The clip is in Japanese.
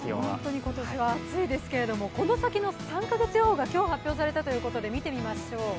今年は暑いですけど、この先の３か月予報が今日、発表されたということで見ていきましょう。